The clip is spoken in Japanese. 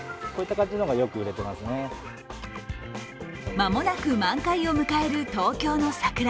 間もなく満開を迎える東京の桜。